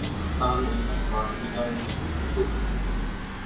Some even consider it beautiful.